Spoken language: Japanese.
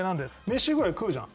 飯ぐらい食うじゃん。